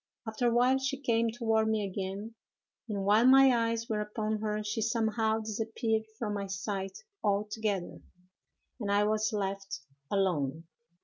After a while, she came toward me again; and while my eyes were upon her, she somehow disappeared from my sight altogether, and I was left alone.